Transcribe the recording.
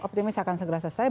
optimis akan segera selesai